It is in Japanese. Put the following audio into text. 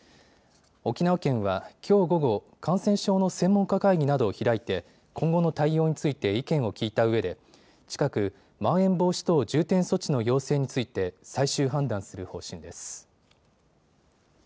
沖縄県はきょう午後、感染症の専門家会議などを開いて今後の対応について意見を聞いたうえで近く、まん延防止等重点措置の要請について最終判断する方針です。